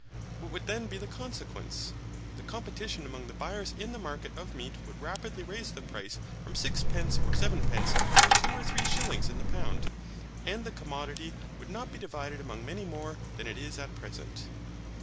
What would then be the consequence? The competition among the buyers in the market of meat would rapidly raise the price from sixpence or sevenpence, to two or three shillings in the pound, and the commodity would not be divided among many more than it is at present.